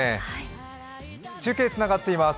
中継つながっています。